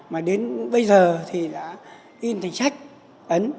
mà đến bây giờ thì đã in thành sách ấn